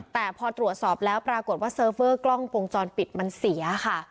แต่พอตรวจสอบแล้วปรากฏว่าเซิร์ฟเวอร์กล้องวงจรปิดมันเสียค่ะ